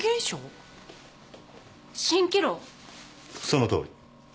そのとおり。